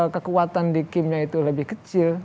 kekuatan di kimnya itu lebih kecil